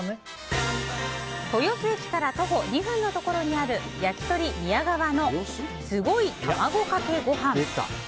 豊洲駅から徒歩２分のところにあるやきとり宮川の「すごい卵かけご飯」。